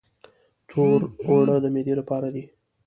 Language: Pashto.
تور اوړه د معدې لپاره دي.